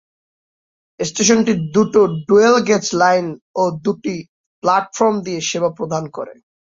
স্টেশনটি দুটি dual gauge line ও দুটি প্লাটফর্ম দিয়ে সেবা প্রদান করে।